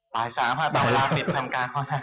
ปลาย๓หรือปล่าวลาติดทำการของนาคาร